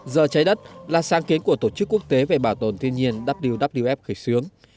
giờ trái đất là sáng kiến của tổ chức quốc tế về bảo tồn thiên nhiên wwf khởi xướng